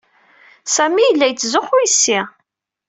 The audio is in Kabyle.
Sami yella yettzuxxu yis-i.